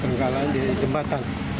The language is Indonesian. tergala di jembatan